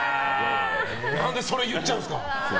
何でそれ言っちゃうんですか。